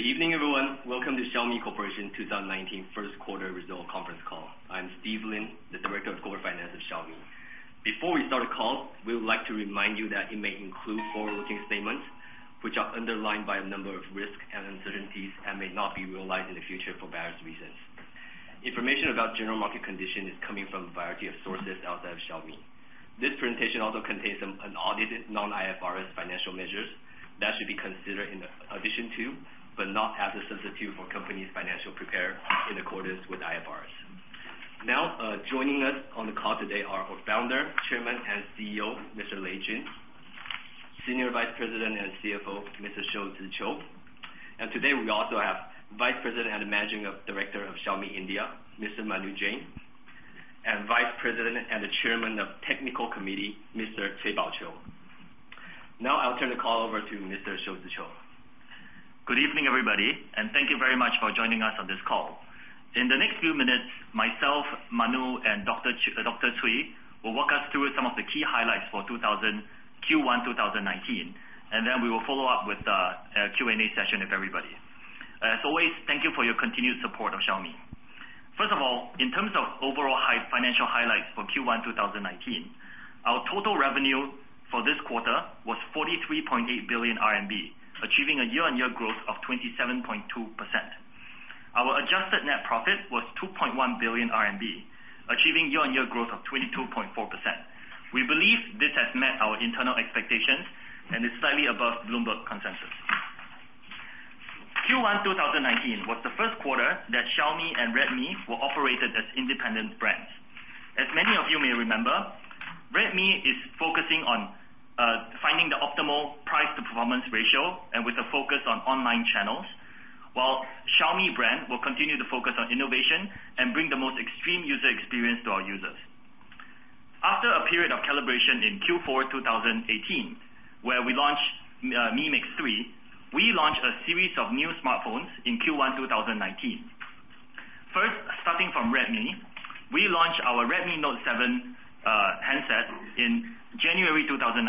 Good evening, everyone. Welcome to Xiaomi Corporation 2019 first quarter result conference call. I'm Steve Lin, the Director of Corporate Finance of Xiaomi. Before we start the call, we would like to remind you that it may include forward-looking statements, which are underlined by a number of risks and uncertainties, and may not be realized in the future for various reasons. Information about general market condition is coming from a variety of sources outside of Xiaomi. This presentation also contains some unaudited non-IFRS financial measures that should be considered in addition to, but not as a substitute for, company's financial prepared in accordance with IFRS. Now, joining us on the call today are our Founder, Chairman, and CEO, Mr. Lei Jun. Senior Vice President and CFO, Mr. Shou Zi Chew. Today we also have Vice President and Managing Director of Xiaomi India, Mr. Manu Jain. Vice President and the Chairman of Technical Committee, Mr. Cui Baoqiu. Now I'll turn the call over to Mr. Shou Zi Chew. Good evening, everybody. Thank you very much for joining us on this call. In the next few minutes, myself, Manu, and Dr. Cui will walk us through some of the key highlights for Q1 2019, then we will follow up with a Q&A session with everybody. As always, thank you for your continued support of Xiaomi. First of all, in terms of overall financial highlights for Q1 2019, our total revenue for this quarter was 43.8 billion RMB, achieving a year-on-year growth of 27.2%. Our adjusted net profit was 2.1 billion RMB, achieving year-on-year growth of 22.4%. We believe this has met our internal expectations and is slightly above Bloomberg consensus. Q1 2019 was the first quarter that Xiaomi and Redmi were operated as independent brands. As many of you may remember, Redmi is focusing on finding the optimal price to performance ratio with a focus on online channels, while Xiaomi brand will continue to focus on innovation and bring the most extreme user experience to our users. After a period of calibration in Q4 2018, where we launched Mi Mix 3, we launched a series of new smartphones in Q1 2019. First, starting from Redmi, we launched our Redmi Note 7 handset in January 2019,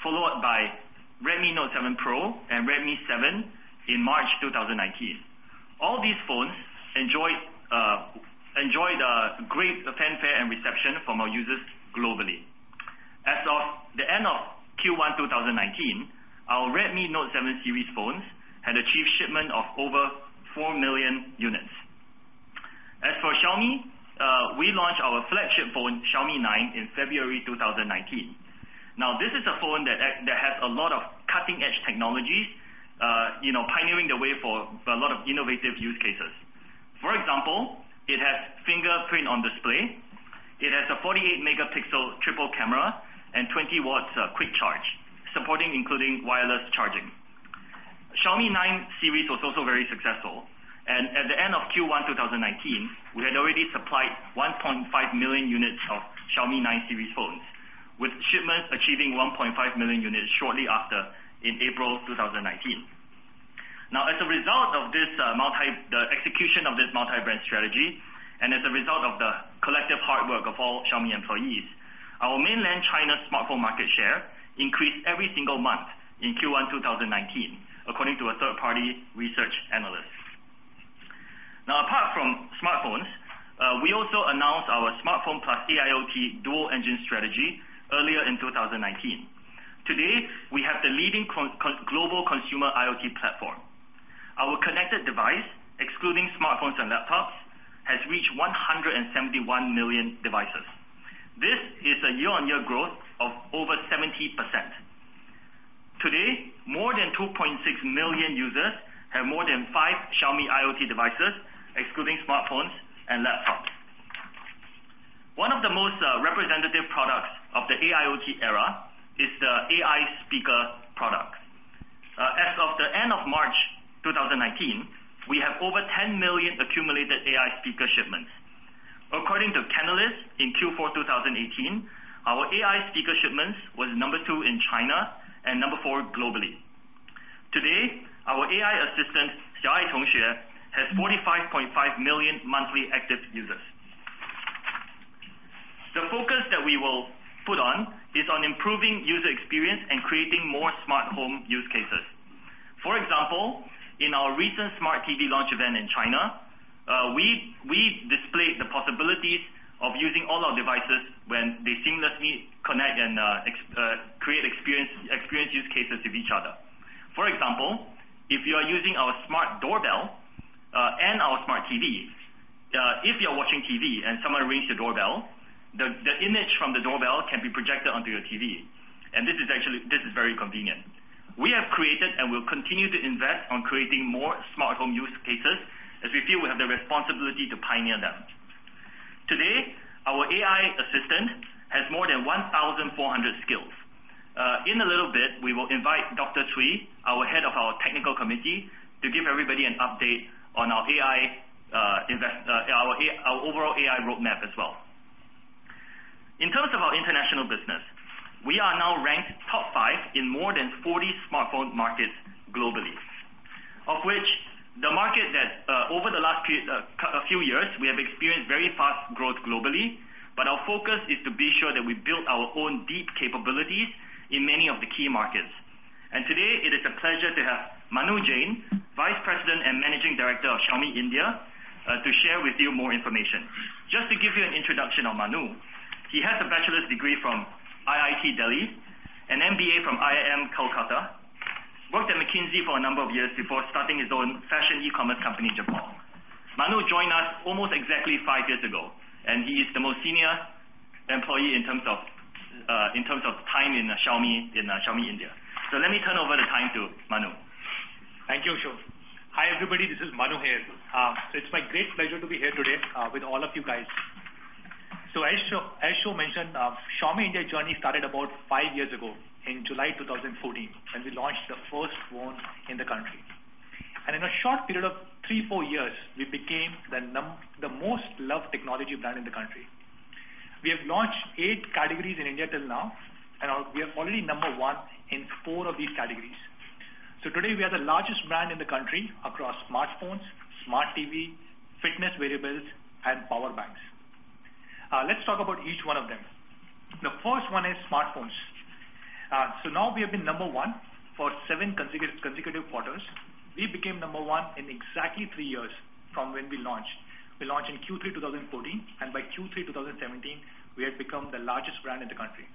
followed by Redmi Note 7 Pro and Redmi 7 in March 2019. All these phones enjoyed great fanfare and reception from our users globally. As of the end of Q1 2019, our Redmi Note 7 series phones had achieved shipment of over 4 million units. As for Xiaomi, we launched our flagship phone, Xiaomi Mi 9, in February 2019. This is a phone that has a lot of cutting-edge technologies, pioneering the way for a lot of innovative use cases. For example, it has fingerprint on display, it has a 48-megapixel triple camera, and 20 W quick charge, including wireless charging. Xiaomi Mi 9 series was also very successful, and at the end of Q1 2019, we had already supplied 1.5 million units of Xiaomi Mi 9 series phones, with shipments achieving 1.5 million units shortly after in April 2019. As a result of the execution of this multi-brand strategy, and as a result of the collective hard work of all Xiaomi employees, our mainland China smartphone market share increased every single month in Q1 2019, according to a third-party research analyst. Apart from smartphones, we also announced our smartphone plus AIoT dual engine strategy earlier in 2019. Today, we have the leading global consumer IoT platform. Our connected device, excluding smartphones and laptops, has reached 171 million devices. This is a year-on-year growth of over 70%. Today, more than 2.6 million users have more than five Xiaomi IoT devices, excluding smartphones and laptops. One of the most representative products of the AIoT era is the AI speaker product. As of the end of March 2019, we have over 10 million accumulated AI speaker shipments. According to Canalys in Q4 2018, our AI speaker shipments was number two in China and number four globally. Today, our AI assistant, Xiao Ai Tongxue, has 45.5 million monthly active users. The focus that we will put on is on improving user experience and creating more smart home use cases. For example, in our recent smart TV launch event in China, we displayed the possibilities of using all our devices when they seamlessly connect and create experience use cases with each other. For example, if you are using our smart doorbell and our smart TV, if you're watching TV and someone rings your doorbell, the image from the doorbell can be projected onto your TV. This is very convenient. We have created and will continue to invest on creating more smart home use cases as we feel we have the responsibility to pioneer them. Today, our AI assistant has more than 1,400 skills. In a little bit, we will invite Dr. Cui, our head of our technical committee, to give everybody an update on our overall AI roadmap as well. In terms of our international business, we are now ranked top five in more than 40 smartphone markets globally. The market that over the last few years, we have experienced very fast growth globally, but our focus is to be sure that we build our own deep capabilities in many of the key markets. Today it is a pleasure to have Manu Jain, Vice President and Managing Director of Xiaomi India, to share with you more information. Just to give you an introduction of Manu, he has a bachelor's degree from IIT Delhi, an MBA from IIM Calcutta, worked at McKinsey for a number of years before starting his own fashion e-commerce company in Japan. Manu joined us almost exactly five years ago, and he is the most senior employee in terms of time in Xiaomi India. Let me turn over the time to Manu. Thank you, Shou. Hi, everybody. This is Manu here. It's my great pleasure to be here today with all of you guys. As Shou mentioned, Xiaomi India journey started about five years ago in July 2014 when we launched the first phone in the country. In a short period of three, four years, we became the most loved technology brand in the country. We have launched eight categories in India till now, and we are already number one in four of these categories. Today, we are the largest brand in the country across smartphones, smart TV, fitness wearables, and power banks. Let's talk about each one of them. The first one is smartphones. Now we have been number one for seven consecutive quarters. We became number one in exactly three years from when we launched. We launched in Q3 2014, and by Q3 2017, we had become the largest brand in the country.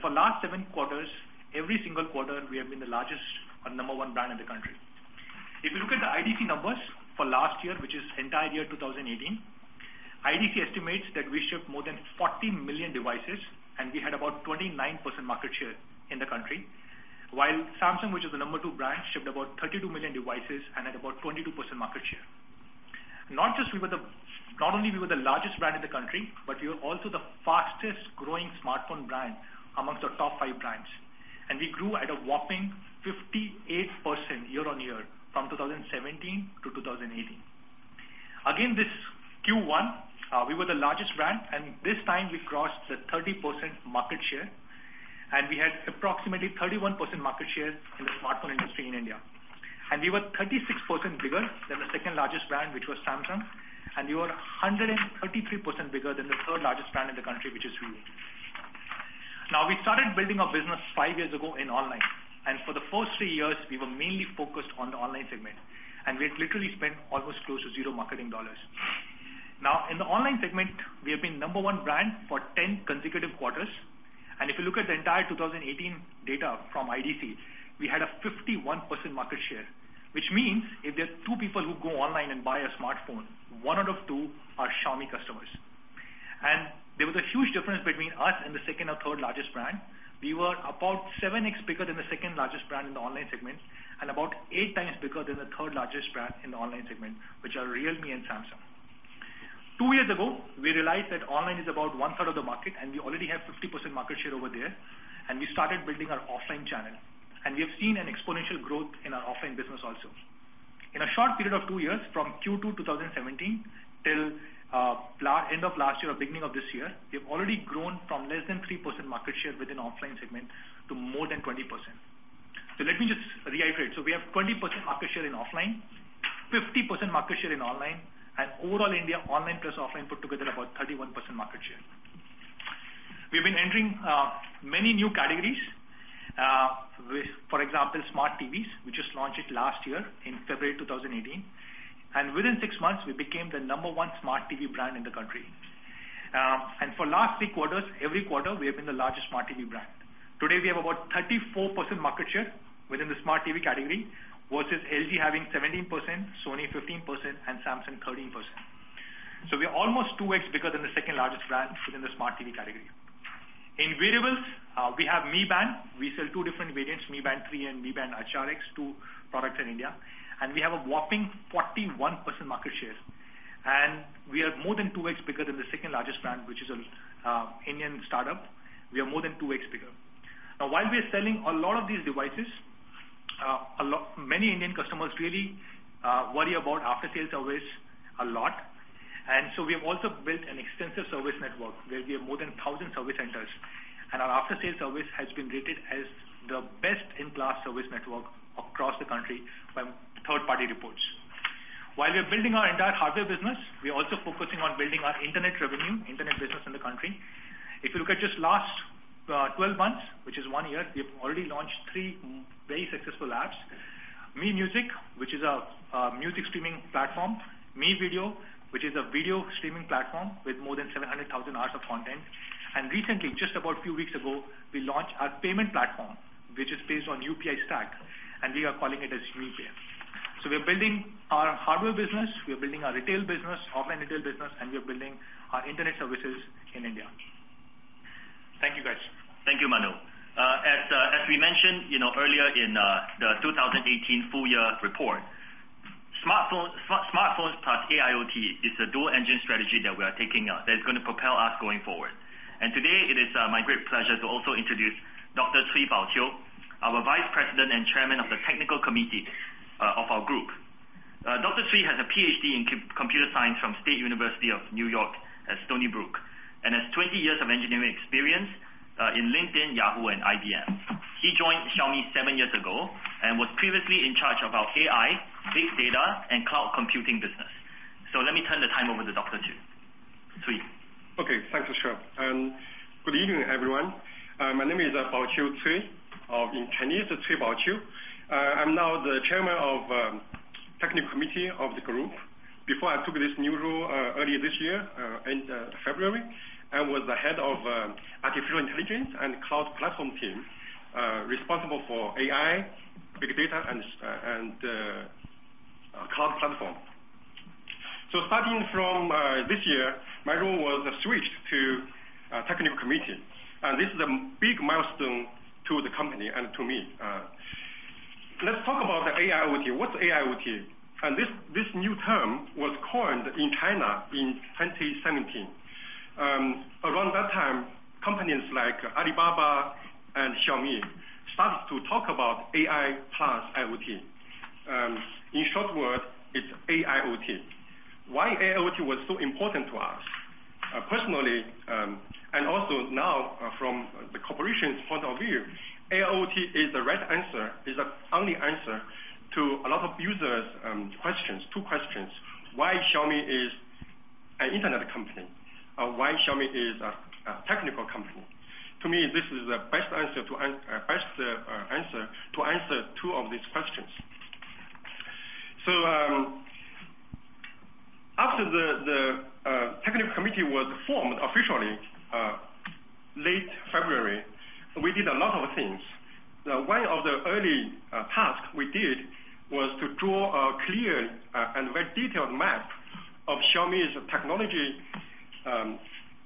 For last seven quarters, every single quarter, we have been the largest or number one brand in the country. If you look at the IDC numbers for last year, which is entire year 2018, IDC estimates that we shipped more than 40 million devices, and we had about 29% market share in the country. While Samsung, which is the number two brand, shipped about 32 million devices and had about 22% market share. Not only we were the largest brand in the country, but we were also the fastest-growing smartphone brand amongst the top five brands. We grew at a whopping 58% year-on-year from 2017 to 2018. Again, this Q1, we were the largest brand, and this time we crossed the 30% market share, and we had approximately 31% market share in the smartphone industry in India. We were 36% bigger than the second-largest brand, which was Samsung, and we were 133% bigger than the third-largest brand in the country, which is Realme. We started building our business five years ago in online. For the first three years, we were mainly focused on the online segment, and we had literally spent almost close to zero marketing dollars. In the online segment, we have been number one brand for 10 consecutive quarters. If you look at the entire 2018 data from IDC, we had a 51% market share, which means if there are two people who go online and buy a smartphone, one out of two are Xiaomi customers. There was a huge difference between us and the second or third largest brand. We were about 7x bigger than the second-largest brand in the online segment, and about eight times bigger than the third-largest brand in the online segment, which are Realme and Samsung. Two years ago, we realized that online is about one-third of the market, and we already have 50% market share over there, and we started building our offline channel. We have seen an exponential growth in our offline business also. In a short period of two years, from Q2 2017 till end of last year or beginning of this year, we've already grown from less than 3% market share within offline segment to more than 20%. Let me just reiterate. We have 20% market share in offline, 50% market share in online, and overall India online plus offline put together about 31% market share. We've been entering many new categories. For example, Smart TVs. We just launched it last year in February 2018, and within 6 months, we became the number one Smart TV brand in the country. For last 3 quarters, every quarter we have been the largest Smart TV brand. Today, we have about 34% market share within the Smart TV category, versus LG having 17%, Sony 15%, and Samsung 13%. We are almost 2X bigger than the second-largest brand within the Smart TV category. In wearables, we have Mi Band. We sell two different variants, Mi Band 3 and Mi Band HRX, two products in India. We have a whopping 41% market share, and we are more than 2X bigger than the second-largest brand, which is an Indian startup. We are more than 2X bigger. While we are selling a lot of these devices, many Indian customers really worry about after-sales service a lot, we have also built an extensive service network where we have more than 1,000 service centers, and our after-sales service has been rated as the best-in-class service network across the country by third-party reports. While we are building our entire hardware business, we are also focusing on building our internet revenue, internet business in the country. If you look at just last 12 months, which is one year, we've already launched three very successful apps. Mi Music, which is a music streaming platform, Mi Video, which is a video streaming platform with more than 700,000 hours of content, and recently, just about few weeks ago, we launched our payment platform, which is based on UPI Stack, and we are calling it as Mi Pay. We are building our hardware business, we are building our retail business, online retail business, and we are building our internet services in India. Thank you, guys. Thank you, Manu. As we mentioned earlier in the 2018 full year report, smartphones plus AIoT is the dual engine strategy that we are taking that is going to propel us going forward. Today it is my great pleasure to also introduce Dr. Cui Baoqiu, our Vice President and Chairman of the Technical Committee of our group. Dr. Cui has a PhD in Computer Science from State University of New York at Stony Brook. And has 20 years of engineering experience in LinkedIn, Yahoo, and IBM. He joined Xiaomi seven years ago and was previously in charge of our AI, big data, and cloud computing business. Let me turn the time over to Dr. Cui. Okay, thanks, Shou Zi Chew. Good evening, everyone. My name is Baoqiu Cui, or in Chinese, Cui Baoqiu. I'm now the Chairman of the Technical Committee of the group. Before I took this new role earlier this year in February, I was the head of Artificial Intelligence and cloud platform team, responsible for AI, big data, and cloud platform. Starting from this year, my role was switched to Technical Committee, and this is a big milestone to the company and to me. Let's talk about the AIoT. What's AIoT? This new term was coined in China in 2017. Around that time, companies like Alibaba and Xiaomi started to talk about AI plus IoT. In short word, it's AIoT. Why AIoT was so important to us? Personally, also now from the Corporation's point of view, AIoT is the right answer, is the only answer to a lot of users' two questions. Why Xiaomi is an Internet company? Why Xiaomi is a technical company? To me, this is the best answer to answer two of these questions. After the Technical Committee was formed officially late February, we did a lot of things. One of the early tasks we did was to draw a clear and very detailed map of Xiaomi's technology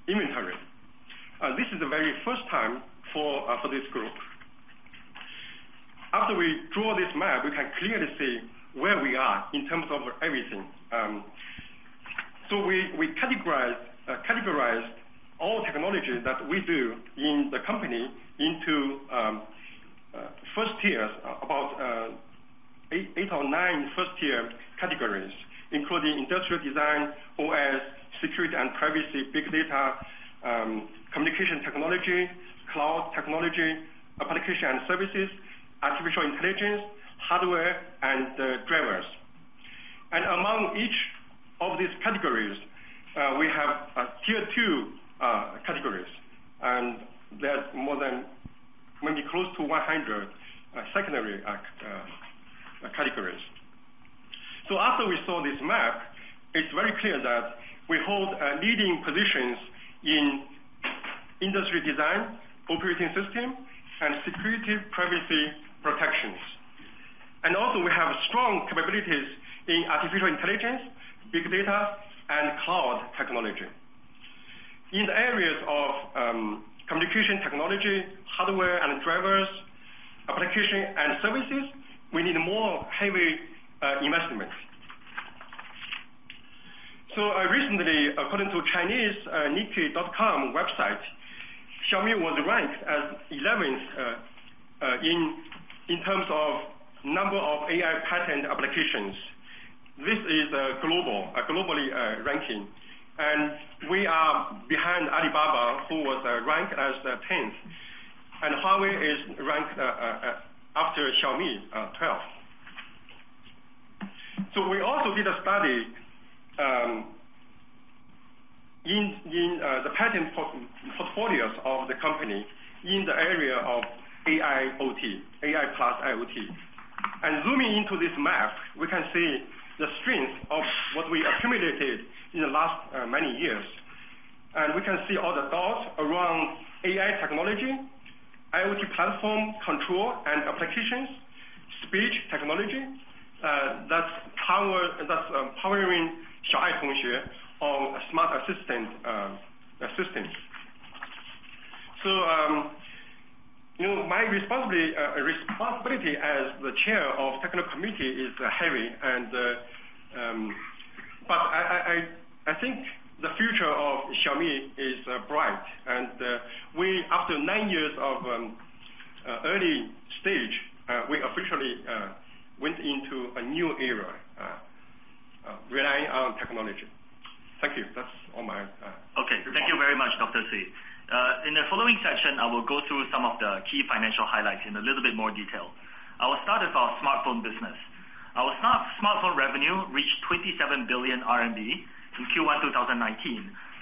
inventory. This is the very first time for this group. After we draw this map, we can clearly see where we are in terms of everything. We categorized all technologies that we do in the company into first tier, about eight or nine first-tier categories, including industrial design, OS, security and privacy, big data, communication technology, cloud technology, application and services, artificial intelligence, hardware, and drivers. Among each of these categories, we have tier 2 categories, and there are maybe close to 100 secondary categories. After we saw this map, it's very clear that we hold leading positions in industrial design, operating system, and security privacy protections. Also we have strong capabilities in artificial intelligence, big data, and cloud technology. In the areas of communication technology, hardware and drivers, application and services, we need more heavy investments. Recently, according to Chinese Nikkei.com website, Xiaomi was ranked as 11th in terms of number of AI patent applications. This is globally ranking. We are behind Alibaba, who was ranked as 10th. Huawei is ranked after Xiaomi, 12th. We also did a study in the patent portfolios of the company in the area of AIoT, AI plus IoT. Zooming into this map, we can see the strength of what we accumulated in the last many years. We can see all the dots around AI technology, IoT platform control and applications, speech technology that's powering Xiao Ai Tongxue or smart assistant systems. My responsibility as the Chair of Technical Committee is heavy, but I think the future of Xiaomi is bright. After nine years of early stage, we officially went into a new era relying on technology. Thank you. That's all. Okay. Thank you very much, Dr. Cui. In the following section, I will go through some of the key financial highlights in a little bit more detail. I will start with our smartphone business. Our smartphone revenue reached 27 billion RMB in Q1 2019,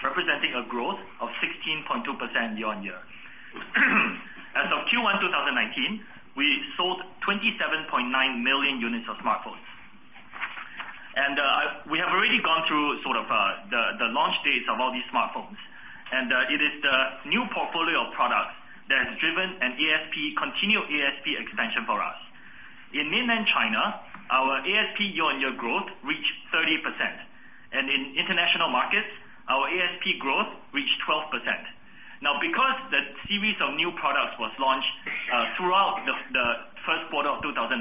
representing a growth of 16.2% year-on-year. As of Q1 2019, we sold 27.9 million units of smartphones. We have already gone through sort of the launch dates of all these smartphones. It is the new portfolio of products that has driven continued ASP expansion for us. In mainland China, our ASP year-on-year growth reached 30%, and in international markets, our ASP growth reached 12%. Because the series of new products was launched throughout the first quarter of 2019,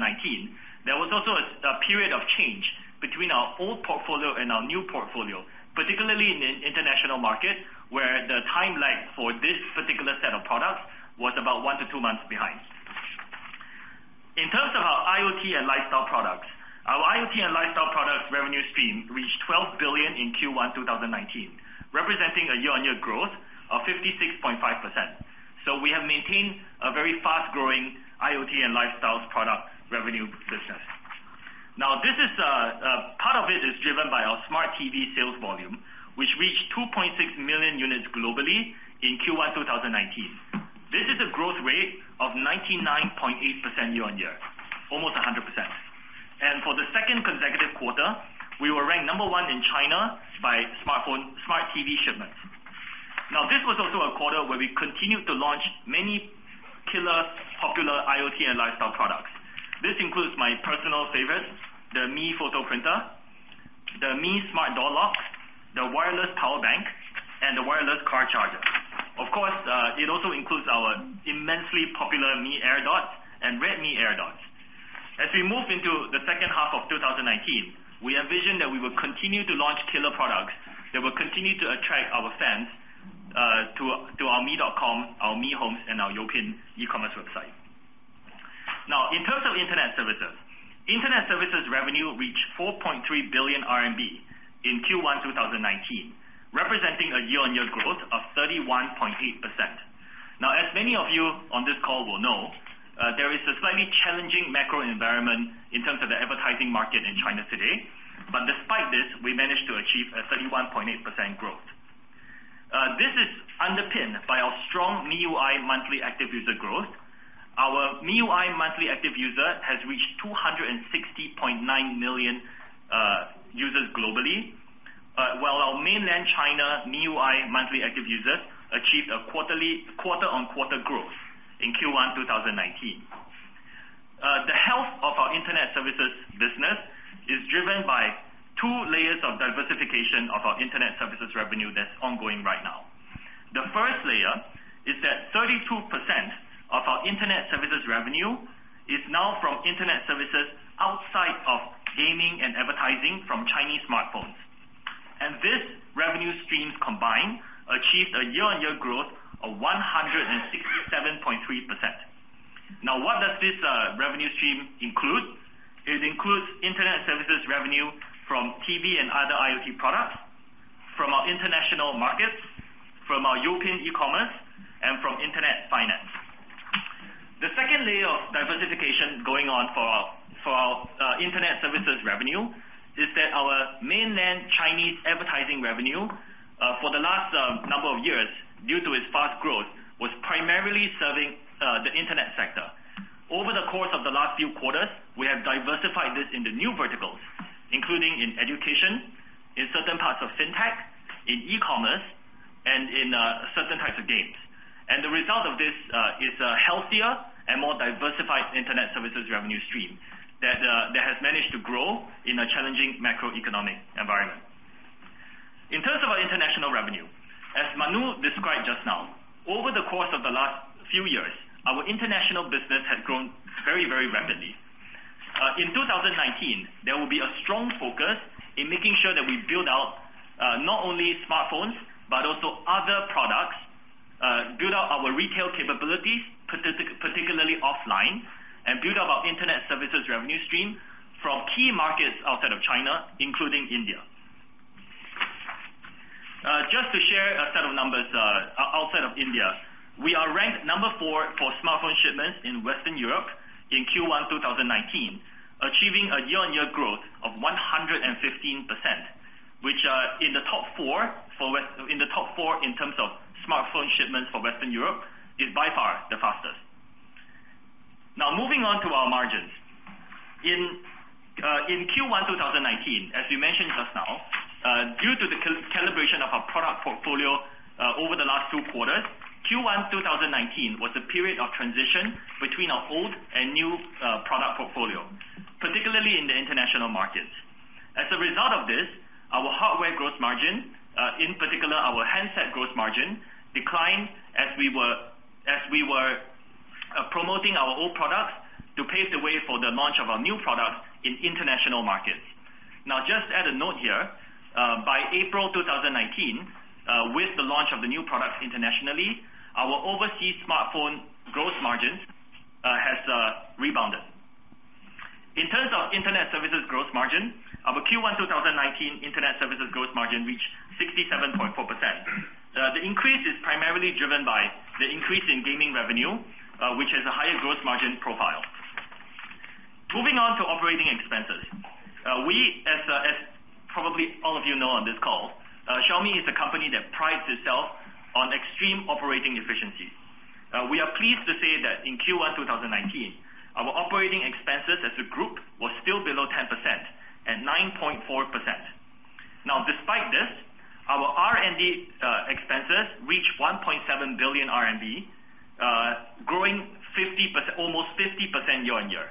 there was also a period of change between our old portfolio and our new portfolio, particularly in the international market where the timeline for this particular set of products was about one to two months behind. Our IoT and lifestyle products revenue stream reached 12 billion in Q1 2019, representing a year-on-year growth of 56.5%. We have maintained a very fast-growing IoT and lifestyle product revenue business. Part of it is driven by our smart TV sales volume, which reached 2.6 million units globally in Q1 2019. This is a growth rate of 99.8% year-on-year, almost 100%. For the second consecutive quarter, we were ranked number 1 in China by smart TV shipments. This was also a quarter where we continued to launch many killer popular IoT and lifestyle products. This includes my personal favorite, the Mi Photo Printer, the Mi Smart Door Lock, the wireless power bank, and the wireless car charger. Of course, it also includes our immensely popular Mi AirDots and Redmi AirDots. As we move into the second half of 2019, we envision that we will continue to launch killer products that will continue to attract our fans to our mi.com, our Mi Homes, and our Youpin e-commerce website. In terms of internet services, internet services revenue reached 4.3 billion RMB in Q1 2019, representing a year-on-year growth of 31.8%. As many of you on this call will know, there is a slightly challenging macro environment in terms of the advertising market in China today. Despite this, we managed to achieve a 31.8% growth. This is underpinned by our strong MIUI monthly active user growth. Our MIUI monthly active user has reached 260.9 million users globally, while our mainland China MIUI monthly active users achieved a quarter-on-quarter growth in Q1 2019. The health of our internet services business is driven by two layers of diversification of our internet services revenue that's ongoing right now. The first layer is that 32% of our internet services revenue is now from internet services outside of gaming and advertising from Chinese smartphones. This revenue streams combined achieved a year-on-year growth of 167.3%. What does this revenue stream include? It includes internet services revenue from TV and other IoT products, from our international markets, from our Youpin e-commerce, and from internet finance. The second layer of diversification going on for our internet services revenue is that our mainland Chinese advertising revenue for the last number of years, due to its fast growth, was primarily serving the internet sector. Over the course of the last few quarters, we have diversified this into new verticals, including in education, in certain parts of fintech, in e-commerce, and in certain types of games. The result of this is a healthier and more diversified internet services revenue stream that has managed to grow in a challenging macroeconomic environment. In terms of our international revenue, as Manu described just now, over the course of the last few years, our international business had grown very, very rapidly. In 2019, there will be a strong focus in making sure that we build out not only smartphones but also other products, build out our retail capabilities, particularly offline, and build out our internet services revenue stream from key markets outside of China, including India. Just to share a set of numbers outside of India. We are ranked number 4 for smartphone shipments in Western Europe in Q1 2019, achieving a year-on-year growth of 115%, which in the top 4 in terms of smartphone shipments for Western Europe is by far the fastest. Moving on to our margins. In Q1 2019, as we mentioned just now, due to the calibration of our product portfolio over the last two quarters, Q1 2019 was a period of transition between our old and new product portfolio, particularly in the international markets. As a result of this, our hardware growth margin, in particular our handset growth margin, declined as we were promoting our old products to pave the way for the launch of our new products in international markets. Just add a note here. By April 2019, with the launch of the new products internationally, our overseas smartphone growth margin has rebounded. In terms of internet services growth margin, our Q1 2019 internet services growth margin reached 67.4%. The increase is primarily driven by the increase in gaming revenue, which has a higher growth margin profile. Moving on to operating expenses. We, as probably all of you know on this call, Xiaomi is a company that prides itself on extreme operating efficiency. We are pleased to say that in Q1 2019, our operating expenses as a group were still below 10% at 9.4%. Despite this, our R&D expenses reached 1.7 billion RMB, growing almost 50% year-on-year.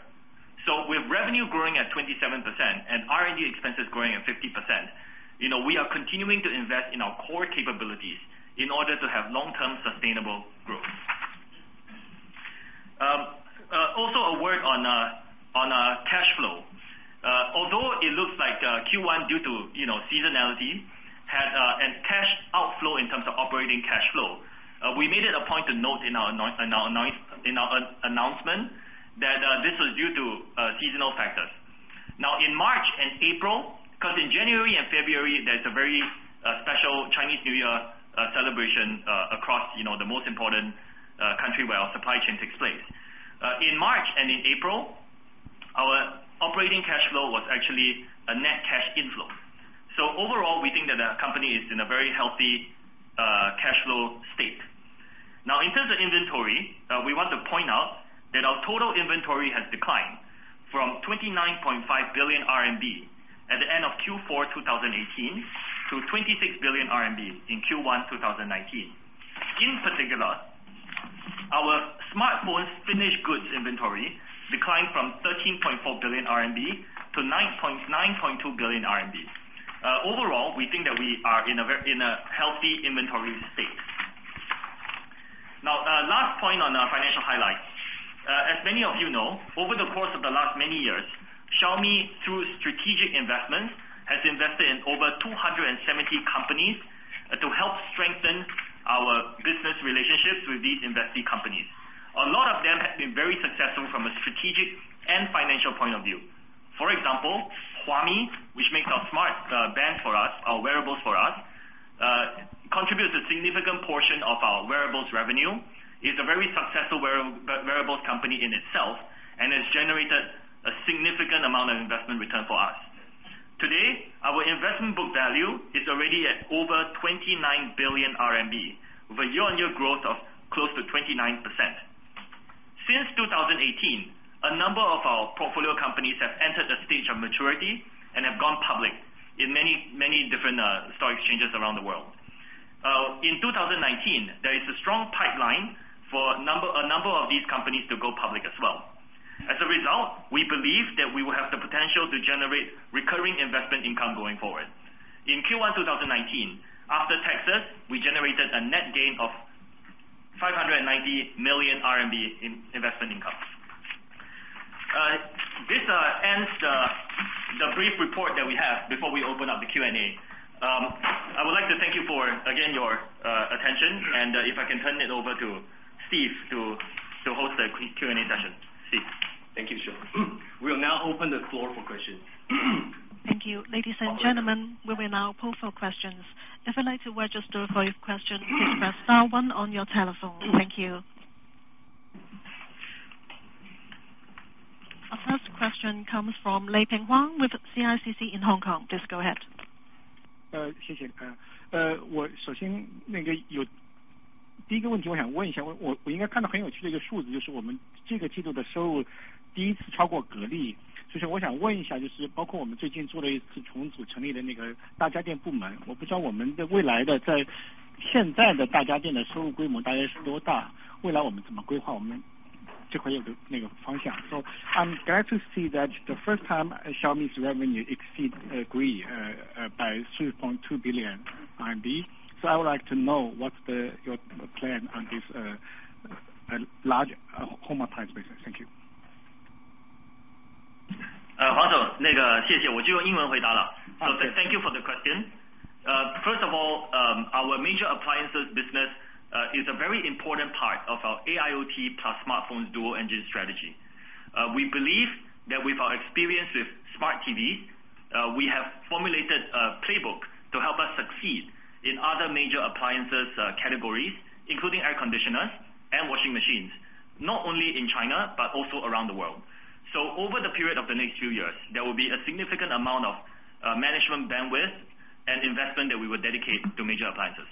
With revenue growing at 27% and R&D expenses growing at 50%, we are continuing to invest in our core capabilities in order to have long-term sustainable growth. Also, a word on our cash flow. Q1, due to seasonality, had a cash outflow in terms of operating cash flow. We made it a point to note in our announcement that this was due to seasonal factors. In March and April, because in January and February there's a very special Chinese New Year celebration across the most important country where our supply chains takes place. In March and in April, our operating cash flow was actually a net cash inflow. Overall, we think that the company is in a very healthy cash flow state. Now, in terms of inventory, we want to point out that our total inventory has declined from 29.5 billion RMB at the end of Q4 2018 to 26 billion RMB in Q1 2019. In particular, our smartphones finished goods inventory declined from 13.4 billion RMB to 9.2 billion RMB. Overall, we think that we are in a healthy inventory state. Now, last point on our financial highlights. As many of you know, over the course of the last many years, Xiaomi, through strategic investments, has invested in over 270 companies to help strengthen our business relationships with these investee companies. A lot of them have been very successful from a strategic and financial point of view. For example, Huami, which makes our smart band for us, our wearables for us, contributes a significant portion of our wearables revenue. It's a very successful wearables company in itself and has generated a significant amount of investment return for us. Today, our investment book value is already at over 29 billion RMB, with a year-on-year growth of close to 29%. Since 2018, a number of our portfolio companies have entered a stage of maturity and have gone public in many different stock exchanges around the world. In 2019, there is a strong pipeline for a number of these companies to go public as well. As a result, we believe that we will have the potential to generate recurring investment income going forward. In Q1 2019, after taxes, we generated a net gain of 590 million RMB in investment income. This ends the brief report that we have before we open up the Q&A. I would like to thank you for, again, your attention, and if I can turn it over to Steve to host the Q&A session. Steve. Thank you, Shou. We'll now open the floor for questions. Thank you. Ladies and gentlemen, we will now pose for questions. If you'd like to register for your question, please press star one on your telephone. Thank you. Our first question comes from Leping Huang with CICC in Hong Kong. Please go ahead. I'm glad to see that the first time Xiaomi's revenue exceeds degree by 3.2 billion RMB. I would like to know what's your plan on this large home appliance business. Thank you. Thank you for the question. First of all, our major appliances business is a very important part of our AIoT plus smartphones dual engine strategy. We believe that with our experience with smart TVs, we have formulated a playbook to help us succeed in other major appliances categories, including air conditioners and washing machines, not only in China, but also around the world. Over the period of the next few years, there will be a significant amount of management bandwidth and investment that we will dedicate to major appliances.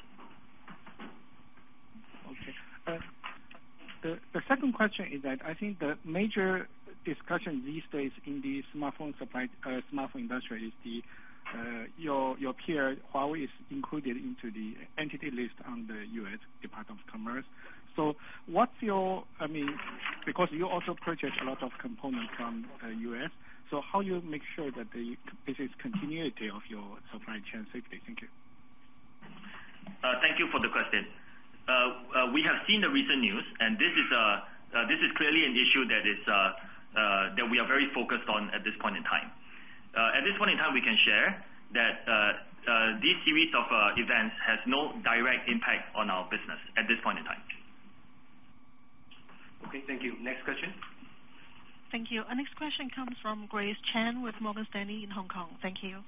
Okay. The second question is that I think the major discussion these days in the smartphone industry is your peer, Huawei, is included into the entity list on the U.S. Department of Commerce. What's your, I mean, because you also purchase a lot of components from the U.S., so how you make sure that there is continuity of your supply chain safety? Thank you. Thank you for the question. We have seen the recent news, this is clearly an issue that we are very focused on at this point in time. At this point in time, we can share that these series of events has no direct impact on our business at this point in time. Okay, thank you. Next question. Thank you. Our next question comes from Grace Chen with Morgan Stanley in Hong Kong. Thank you.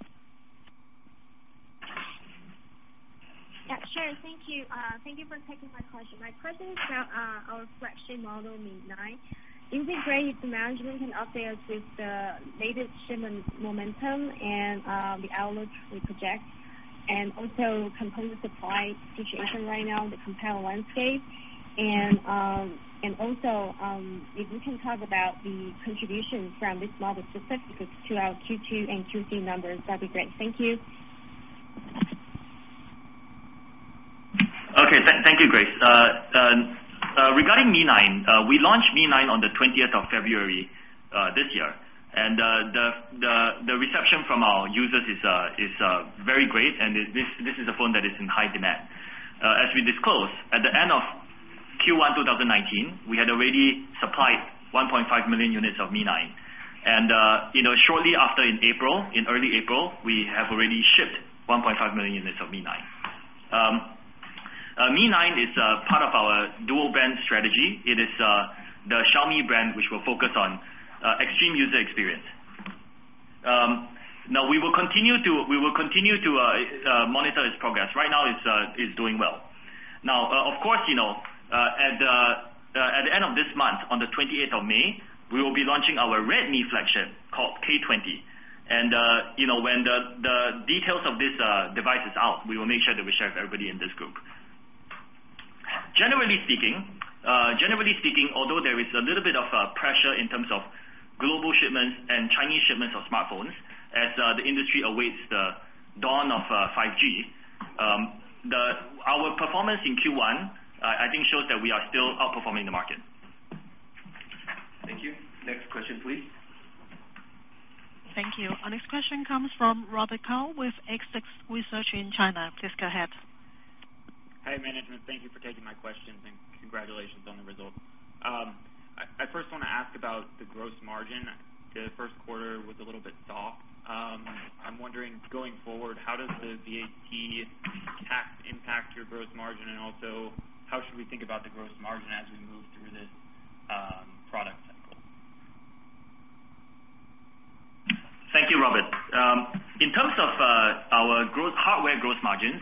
Yeah, sure. Thank you. Thank you for taking my question. My question is about our flagship model Mi 9. It would be great if the management can update us with the latest shipment momentum and the outlook we project, also component supply situation right now in the competitive landscape. Also, if you can talk about the contribution from this model specifically to our Q2 and Q3 numbers, that'd be great. Thank you. Thank you, Grace. Regarding Mi 9, we launched Mi 9 on the 20th of February this year. The reception from our users is very great. This is a phone that is in high demand. As we disclosed, at the end of Q1 2019, we had already supplied 1.5 million units of Mi 9. Shortly after in early April, we have already shipped 1.5 million units of Mi 9. Mi 9 is part of our dual-brand strategy. It is the Xiaomi brand, which will focus on extreme user experience. We will continue to monitor its progress. Right now it is doing well. Of course, at the end of this month, on the 20th of May, we will be launching our Redmi flagship called K20. When the details of this device is out, we will make sure that we share with everybody in this group. Generally speaking, although there is a little bit of pressure in terms of global shipments and Chinese shipments of smartphones as the industry awaits the dawn of 5G. Our performance in Q1, I think, shows that we are still outperforming the market. Thank you. Next question, please. Thank you. Our next question comes from Robert Cao with XX Research in China. Please go ahead. Hi, management. Thank you for taking my questions and congratulations on the results. I first want to ask about the gross margin. The first quarter was a little bit soft. I'm wondering, going forward, how does the VAT tax impact your gross margin? How should we think about the gross margin as we move through this product cycle? Thank you, Robert. In terms of our hardware gross margins,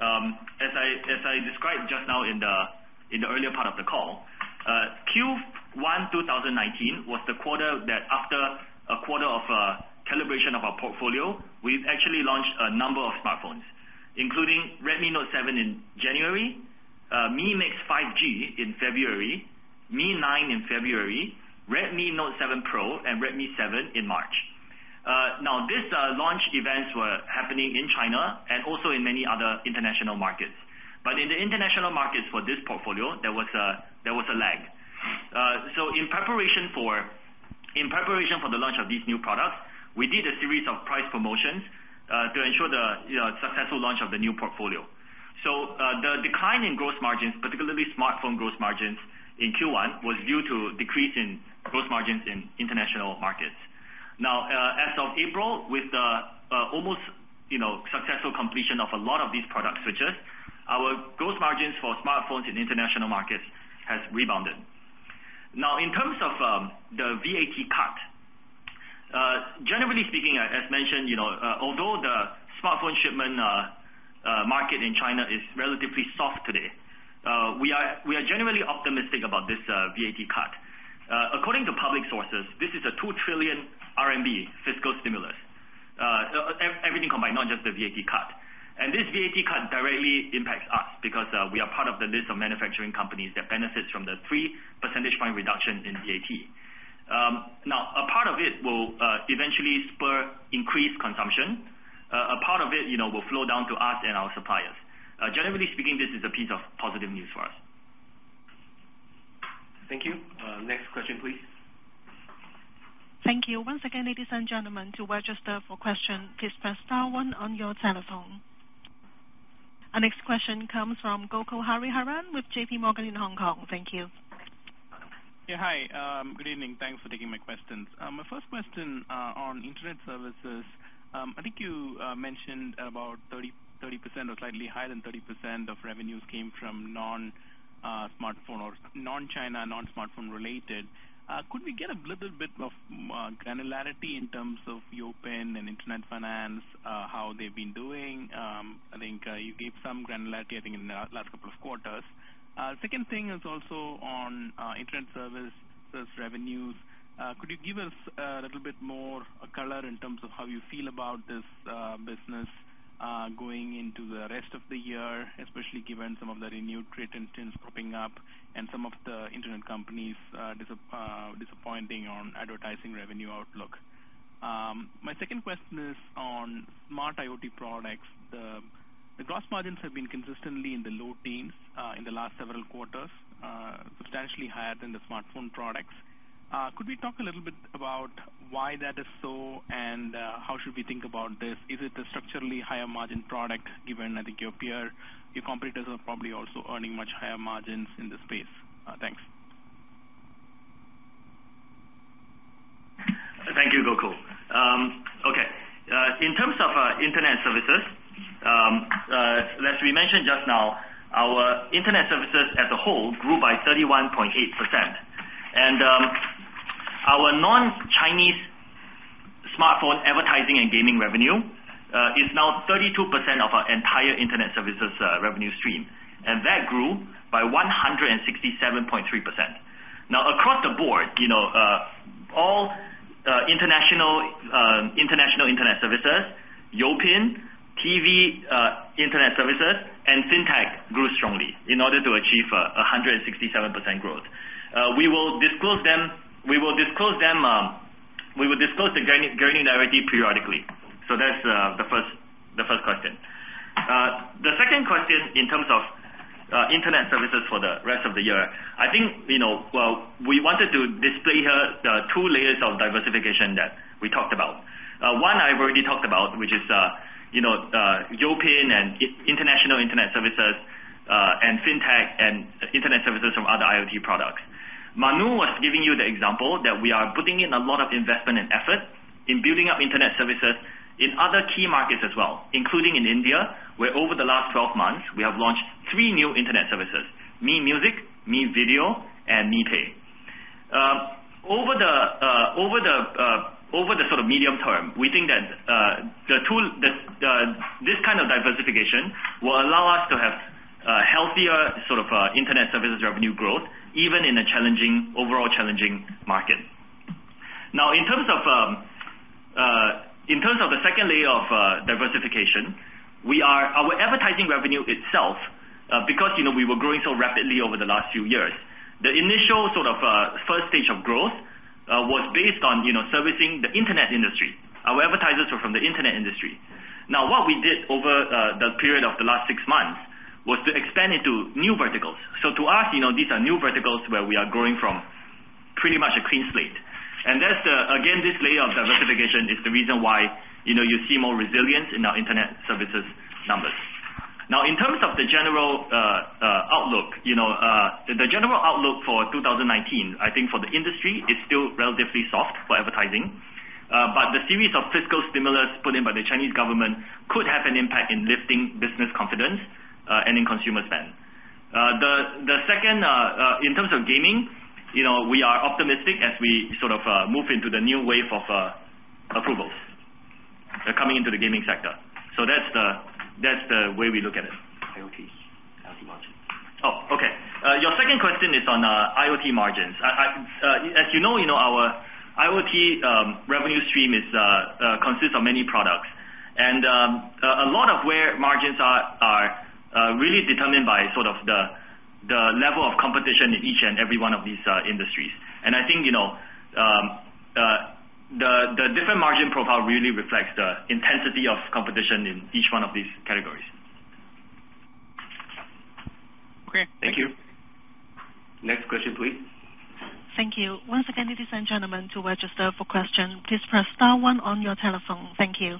as I described just now in the earlier part of the call, Q1 2019 was the quarter that after a quarter of calibration of our portfolio, we've actually launched a number of smartphones, including Redmi Note 7 in January, Mi Mix 5G in February, Mi 9 in February, Redmi Note 7 Pro, and Redmi 7 in March. These launch events were happening in China and also in many other international markets. In the international markets for this portfolio, there was a lag. In preparation for the launch of these new products, we did a series of price promotions, to ensure the successful launch of the new portfolio. The decline in gross margins, particularly smartphone gross margins in Q1, was due to a decrease in gross margins in international markets. As of April, with the almost successful completion of a lot of these product switches, our gross margins for smartphones in international markets has rebounded. In terms of the VAT cut, generally speaking, as mentioned, although the smartphone shipment market in China is relatively soft today, we are generally optimistic about this VAT cut. According to public sources, this is a 2 trillion RMB fiscal stimulus. Everything combined, not just the VAT cut. This VAT cut directly impacts us because we are part of the list of manufacturing companies that benefits from the three percentage point reduction in VAT. A part of it will eventually spur increased consumption. A part of it will flow down to us and our suppliers. Generally speaking, this is a piece of positive news for us. Thank you. Next question please. Thank you. Once again, ladies and gentlemen, to register for question, please press star one on your telephone. Our next question comes from Gokul Hariharan with J.P. Morgan in Hong Kong. Thank you. Yeah. Hi, good evening. Thanks for taking my questions. My first question on internet services. I think you mentioned about 30% or slightly higher than 30% of revenues came from non-smartphone or non-China, non-smartphone related. Could we get a little bit of granularity in terms of Youpin and internet finance, how they've been doing? I think you gave some granularity, I think in the last couple of quarters. Second thing is also on internet service revenues. Could you give us a little bit more color in terms of how you feel about this business going into the rest of the year, especially given some of the renewed trade tensions propping up and some of the internet companies disappointing on advertising revenue outlook. My second question is on smart AIoT products. The gross margins have been consistently in the low teens in the last several quarters, substantially higher than the smartphone products. Could we talk a little bit about why that is so, and how should we think about this? Is it a structurally higher margin product given, I think your competitors are probably also earning much higher margins in the space. Thanks. Thank you, Gokul. Okay. In terms of our internet services, as we mentioned just now, our internet services as a whole grew by 31.8%. Our non-Chinese smartphone advertising and gaming revenue is now 32% of our entire internet services revenue stream. That grew by 167.3%. Now, across the board, all international internet services, Youpin, TV internet services, and fintech grew strongly in order to achieve 167% growth. We will disclose the granularity periodically. That's the first question. The second question in terms of internet services for the rest of the year, I think we wanted to display here the two layers of diversification that we talked about. One I've already talked about, which is Youpin and international internet services, and fintech and internet services from other AIoT products. Manu was giving you the example that we are putting in a lot of investment and effort in building up internet services in other key markets as well, including in India, where over the last 12 months, we have launched three new internet services, Mi Music, Mi Video, and Mi Pay. Over the sort of medium term, we think that this kind of diversification will allow us to have healthier internet services revenue growth, even in an overall challenging market. In terms of the second layer of diversification, our advertising revenue itself, because we were growing so rapidly over the last few years, the initial sort of first stage of growth was based on servicing the internet industry. Our advertisers were from the internet industry. What we did over the period of the last six months was to expand into new verticals. To us, these are new verticals where we are growing from pretty much a clean slate. Again, this layer of diversification is the reason why you see more resilience in our internet services numbers. In terms of the general outlook for 2019, I think for the industry, it's still relatively soft for advertising. The series of fiscal stimulus put in by the Chinese government could have an impact in lifting business confidence and in consumer spend. The second, in terms of gaming, we are optimistic as we sort of move into the new wave of approvals that are coming into the gaming sector. That's the way we look at it. IoT. IoT margin. Okay. Your second question is on IoT margins. As you know, our IoT revenue stream consists of many products. A lot of where margins are really determined by sort of the level of competition in each and every one of these industries. I think, the different margin profile really reflects the intensity of competition in each one of these categories. Okay, thank you. Next question, please. Thank you. Once again, ladies and gentlemen, to register for question, please press star one on your telephone. Thank you.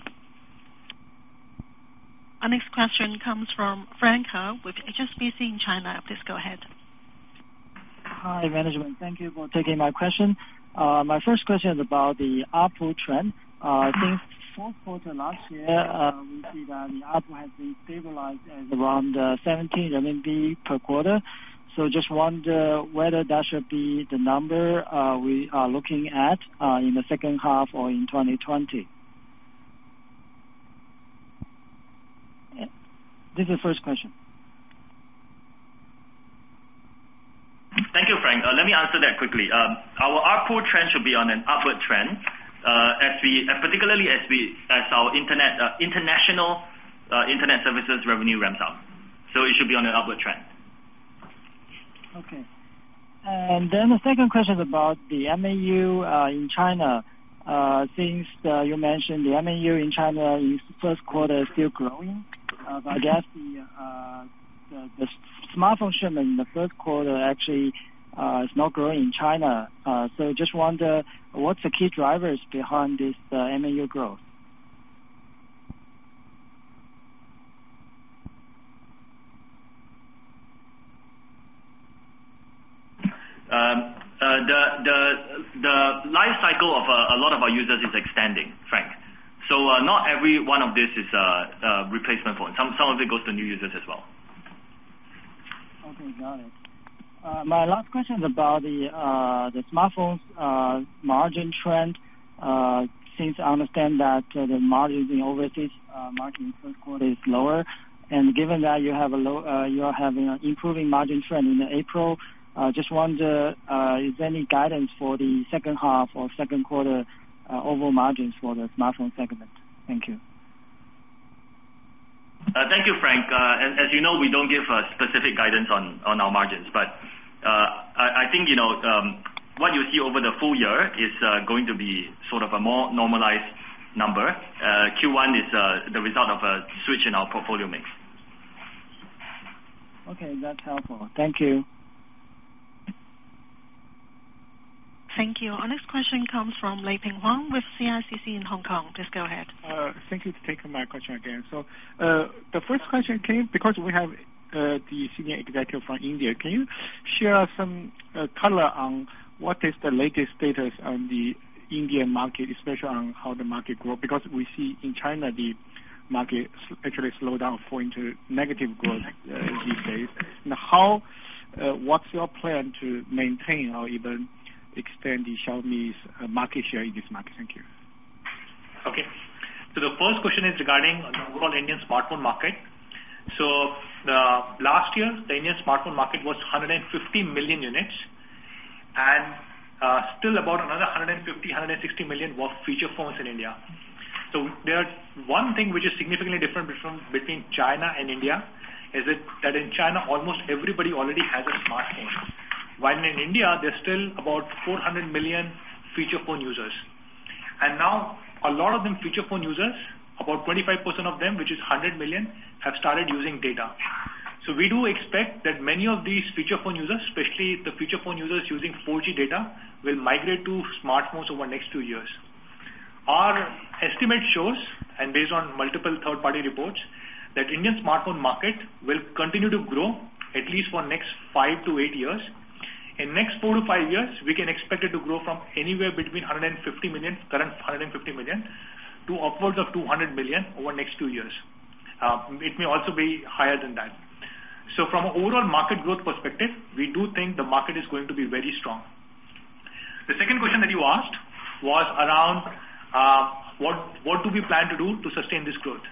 Our next question comes from Frank Han with HSBC in China. Please go ahead. Hi, management. Thank you for taking my question. My first question is about the ARPU trend. Since fourth quarter last year, we see that the ARPU has been stabilized at around 17 RMB per quarter. Just wonder whether that should be the number we are looking at in the second half or in 2020. This is first question. Thank you, Frank. Let me answer that quickly. Our ARPU trend should be on an upward trend, particularly as our international internet services revenue ramps up. It should be on an upward trend. Okay. The second question is about the MAU in China. Since you mentioned the MAU in China is first quarter still growing. I guess the smartphone shipment in the first quarter actually is not growing in China. Just wonder, what's the key drivers behind this MAU growth? The life cycle of a lot of our users is extending, Frank. Not every one of this is a replacement phone. Some of it goes to new users as well. Okay, got it. My last question is about the smartphone's margin trend. Since I understand that the margin in overseas margin in first quarter is lower, and given that you're having an improving margin trend in April, just wonder, is there any guidance for the second half or second quarter overall margins for the smartphone segment? Thank you. Thank you, Frank. As you know, we don't give specific guidance on our margins. I think what you see over the full year is going to be sort of a more normalized number. Q1 is the result of a switch in our portfolio mix. Okay, that's helpful. Thank you. Thank you. Our next question comes from Leping Huang with CICC in Hong Kong. Please go ahead. Thank you for taking my question again. The first question, because we have the senior executive from India, can you share some color on what is the latest status on the Indian market, especially on how the market grow? Because we see in China the market actually slow down, fall into negative growth these days. What's your plan to maintain or even extend Xiaomi's market share in this market? Thank you. The first question is regarding the overall Indian smartphone market. The last year, the Indian smartphone market was 150 million units, and still about another 150 million-160 million were feature phones in India. There is one thing which is significantly different between China and India, is that in China, almost everybody already has a smartphone. While in India, there is still about 400 million feature phone users. Now a lot of them feature phone users, about 25% of them, which is 100 million, have started using data. We do expect that many of these feature phone users, especially the feature phone users using 4G data, will migrate to smartphones over the next two years. Our estimate shows, and based on multiple third-party reports, that Indian smartphone market will continue to grow at least for next 5 to 8 years. In next 4 to 5 years, we can expect it to grow from anywhere between 150 million, current 150 million, to upwards of 200 million over the next two years. It may also be higher than that. From an overall market growth perspective, we do think the market is going to be very strong. The second question that you asked was around what do we plan to do to sustain this growth?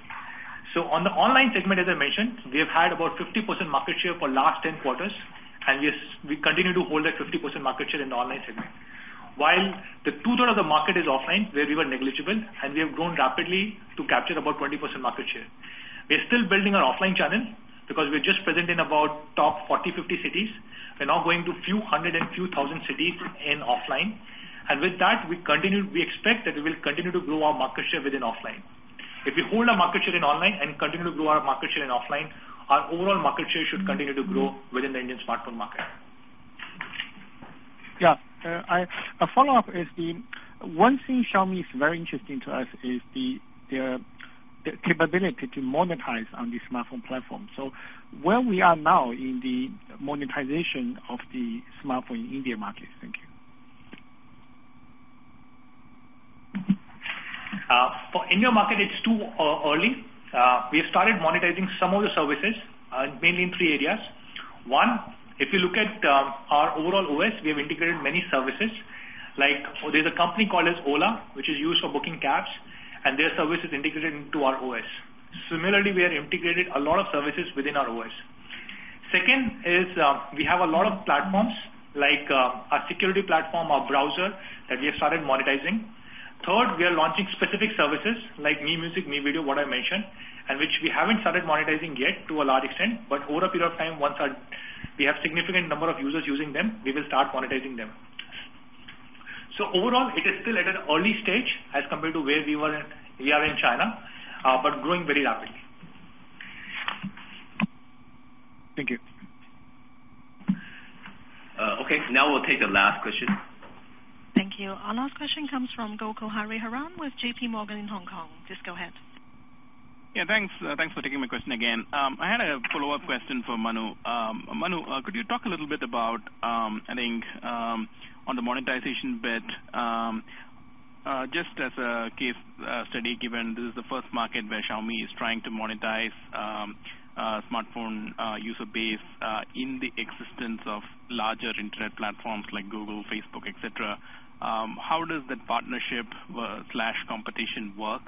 On the online segment, as I mentioned, we have had about 50% market share for the last 10 quarters, and we continue to hold that 50% market share in the online segment. While the two-third of the market is offline, where we were negligible, and we have grown rapidly to capture about 20% market share. We are still building our offline channel because we're just present in about the top 40-50 cities. We're now going to a few hundred and a few thousand cities in offline. With that, we expect that we will continue to grow our market share within offline. If we hold our market share in online and continue to grow our market share in offline, our overall market share should continue to grow within the Indian smartphone market. Yeah. A follow-up is the one thing Xiaomi is very interesting to us is their capability to monetize on the smartphone platform. Where we are now in the monetization of the smartphone India market? Thank you. For India market, it's too early. We have started monetizing some of the services, mainly in three areas. One, if you look at our overall OS, we have integrated many services. Like, there's a company called Ola, which is used for booking cabs, and their service is integrated into our OS. Similarly, we have integrated a lot of services within our OS. Second is we have a lot of platforms like our security platform, our browser, that we have started monetizing. Third, we are launching specific services like Mi Music, Mi Video, what I mentioned, which we haven't started monetizing yet to a large extent, but over a period of time, once we have significant number of users using them, we will start monetizing them. Overall, it is still at an early stage as compared to where we are in China, but growing very rapidly. Thank you. Okay, now we'll take the last question. Thank you. Our last question comes from Gokul Hariharan with J.P. Morgan in Hong Kong. Please go ahead. Thanks for taking my question again. I had a follow-up question for Manu. Manu, could you talk a little bit about, I think, on the monetization bit, just as a case study, given this is the first market where Xiaomi is trying to monetize smartphone user base in the existence of larger internet platforms like Google, Facebook, et cetera, how does that partnership/competition work,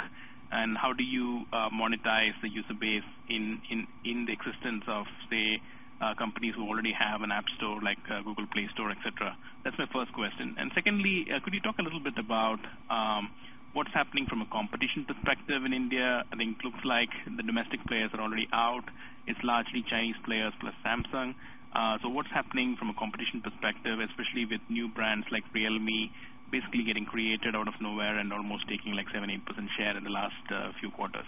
and how do you monetize the user base in the existence of, say, companies who already have an app store like Google Play Store, et cetera? That's my first question. Secondly, could you talk a little bit about what's happening from a competition perspective in India? I think it looks like the domestic players are already out. It's largely Chinese players plus Samsung. What's happening from a competition perspective, especially with new brands like Realme basically getting created out of nowhere and almost taking 7%-8% share in the last few quarters?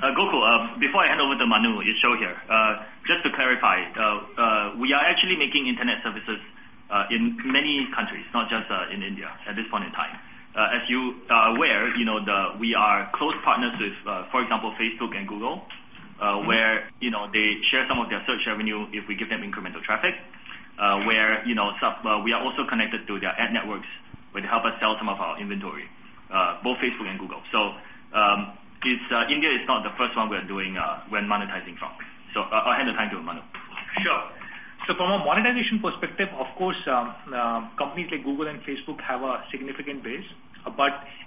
Gokul, before I hand over to Manu, it's Shou here. Just to clarify, we are actually making internet services in many countries, not just in India at this point in time. As you are aware, we are close partners with, for example, Facebook and Google, where they share some of their search revenue if we give them incremental traffic, where we are also connected to their ad networks, where they help us sell some of our inventory, both Facebook and Google. India is not the first one we're monetizing from. I'll hand the time to Manu. Sure. From a monetization perspective, of course, companies like Google and Facebook have a significant base.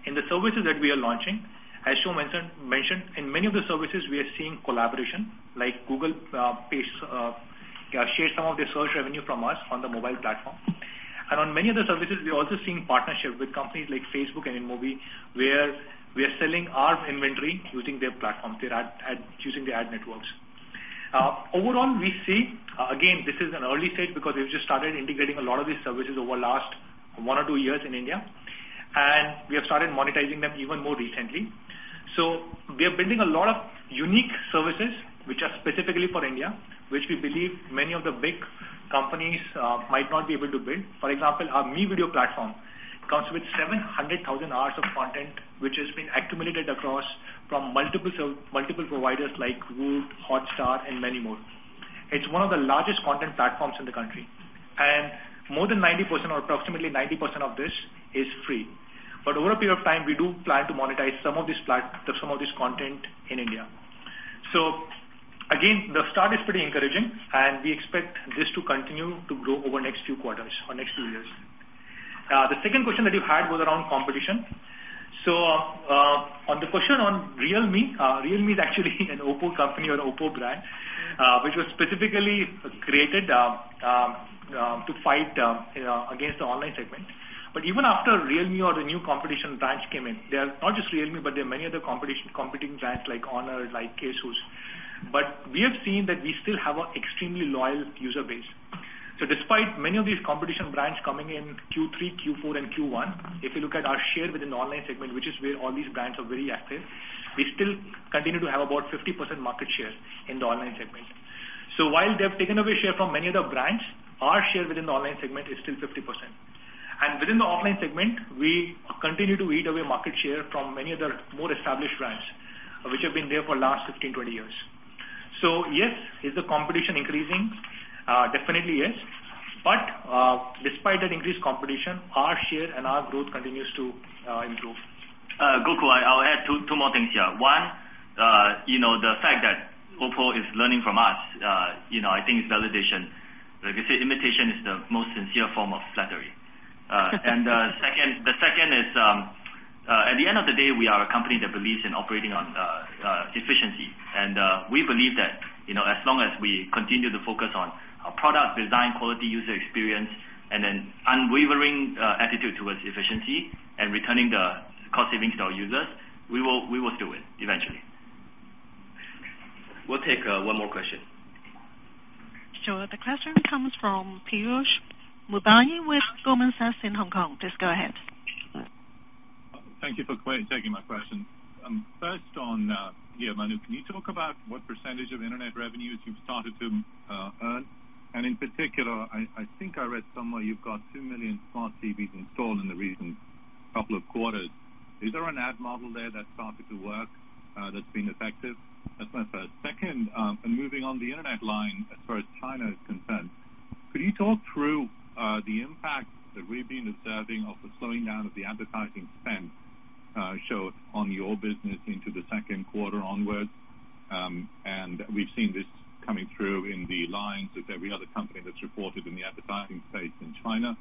In the services that we are launching, as Shou mentioned, in many of the services, we are seeing collaboration like Google shares some of their search revenue from us on the mobile platform. On many other services, we are also seeing partnerships with companies like Facebook and InMobi, where we are selling our inventory using their platforms, using their ad networks. Overall, we see, again, this is an early stage because we've just started integrating a lot of these services over the last one or two years in India, and we have started monetizing them even more recently. We are building a lot of unique services which are specifically for India, which we believe many of the big companies might not be able to build. For example, our Mi Video platform comes with 700,000 hours of content, which has been accumulated across from multiple providers like Voot, Hotstar, and many more. It's one of the largest content platforms in the country, and more than 90%, or approximately 90% of this is free. Over a period of time, we do plan to monetize some of this content in India. Again, the start is pretty encouraging, and we expect this to continue to grow over the next few quarters or next few years. The second question that you had was around competition. On the question on Realme is actually an OPPO company or OPPO brand, which was specifically created to fight against the online segment. Even after Realme or the new competition brands came in, there are not just Realme, but there are many other competing brands like Honor, like Asus. We have seen that we still have an extremely loyal user base. Despite many of these competition brands coming in Q3, Q4, and Q1, if you look at our share within the online segment, which is where all these brands are very active, we still continue to have about 50% market share in the online segment. While they have taken away share from many other brands, our share within the online segment is still 50%. Within the online segment, we continue to eat away market share from many other more established brands, which have been there for the last 15, 20 years. Yes, is the competition increasing? Definitely yes. Despite that increased competition, our share and our growth continues to improve. Gokul, I'll add two more things here. One, the fact that OPPO is learning from us I think is validation. Like they say, imitation is the most sincere form of flattery. The second is, at the end of the day, we are a company that believes in operating on efficiency. We believe that as long as we continue to focus on our product design, quality, user experience, and an unwavering attitude towards efficiency and returning the cost savings to our users, we will do it eventually. We'll take one more question. Sure. The question comes from Piyush Mubayi with Goldman Sachs in Hong Kong. Please go ahead. Thank you for taking my question. First on, Manu, can you talk about what percentage of internet revenues you've started to earn? In particular, I think I read somewhere you've got 2 million smart TVs installed in the recent couple of quarters. Is there an ad model there that's started to work that's been effective? That's my first. Second, moving on the internet line as far as China is concerned, could you talk through the impact that we've been observing of the slowing down of the advertising spend show on your business into the second quarter onwards? We've seen this coming through in the lines with every other company that's reported in the advertising space in China.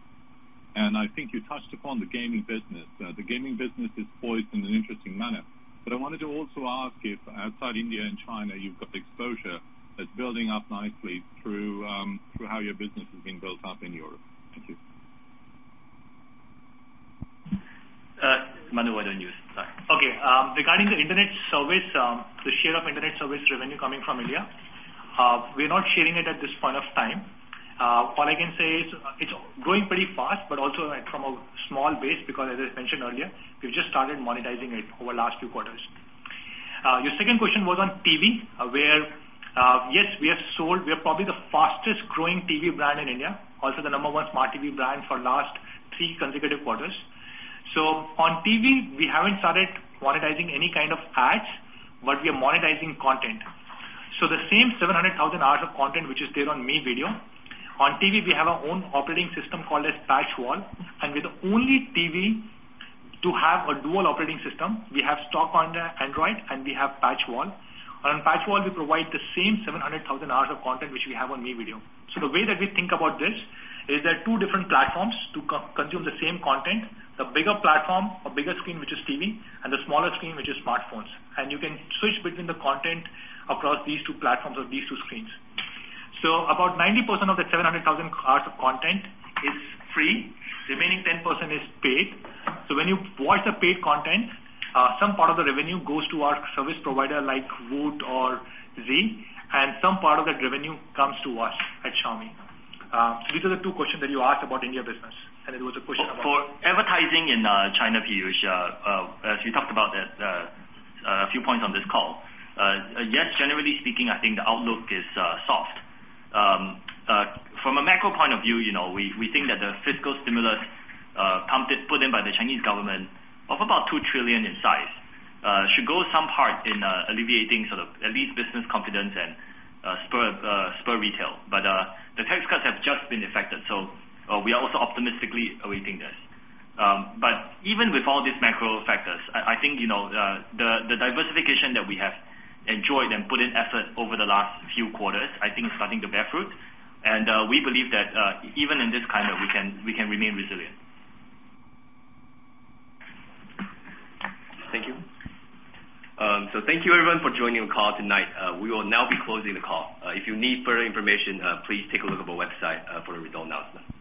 I think you touched upon the gaming business. The gaming business is poised in an interesting manner. I wanted to also ask if outside India and China, you've got exposure that's building up nicely through how your business has been built up in Europe. Thank you. Manu, why don't you start? Okay. Regarding the internet service, the share of internet service revenue coming from India, we're not sharing it at this point of time. All I can say is it's growing pretty fast, but also from a small base because as I mentioned earlier, we've just started monetizing it over the last few quarters. Your second question was on TV, where yes, we are probably the fastest-growing TV brand in India, also the number one smart TV brand for the last three consecutive quarters. On TV, we haven't started monetizing any kind of ads, but we are monetizing content. The same 700,000 hours of content which is there on Mi Video, on TV we have our own operating system called PatchWall, and we're the only TV to have a dual operating system. We have stock Android and we have PatchWall. On PatchWall we provide the same 700,000 hours of content which we have on Mi Video. The way that we think about this is there are two different platforms to consume the same content. The bigger platform or bigger screen, which is TV, and the smaller screen, which is smartphones. You can switch between the content across these two platforms or these two screens. About 90% of the 700,000 hours of content is free. The remaining 10% is paid. When you watch the paid content some part of the revenue goes to our service provider like Voot or Zee, and some part of that revenue comes to us at Xiaomi. These are the two questions that you asked about India business, and there was a question about. For advertising in China, Piyush, as you talked about a few points on this call, yes, generally speaking, I think the outlook is soft. From a macro point of view, we think that the fiscal stimulus put in by the Chinese government of about 2 trillion in size should go some part in alleviating sort of at least business confidence and spur retail. The tax cuts have just been effected, so we are also optimistically awaiting this. Even with all these macro factors, I think the diversification that we have enjoyed and put in effort over the last few quarters, I think is starting to bear fruit. We believe that even in this climate, we can remain resilient. Thank you. Thank you everyone for joining the call tonight. We will now be closing the call. If you need further information please take a look at our website for the results announcement.